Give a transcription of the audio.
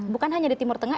bukan hanya di timur tengah